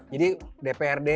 tadi kan dprd ya